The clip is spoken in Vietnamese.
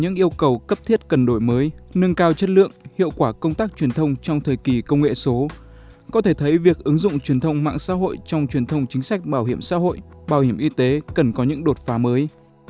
những yêu cầu cấp thiết cần đổi mới nâng cao chất lượng hiệu quả công tác truyền thông trong thời kỳ công nghệ số có thể thấy việc ứng dụng truyền thông mạng xã hội trong truyền thông chính sách bảo hiểm xã hội bảo hiểm y tế cần có những đột phá mới